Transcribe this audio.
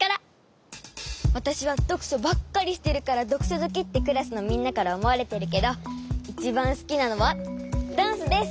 わたしはどくしょばっかりしてるからどくしょずきってクラスのみんなからおもわれてるけどいちばんすきなのはダンスです！